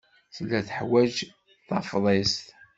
Tella teḥwaj tafḍist.